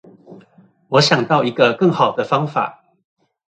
我想到一個更好的方法